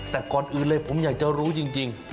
แต่ก่อนอื่นเลยผมอยากจะรู้จริง